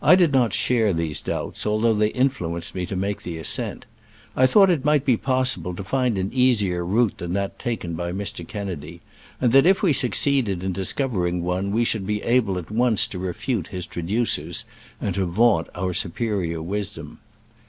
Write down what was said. I did not share these doubts, although they influenced me to make the ascent I thought it might be possible to find an easier route than that taken by Mr. Kennedy, and that if we succeeded in discovering one we should be able at once to refute his traducers and to vaunt our superior wisdom.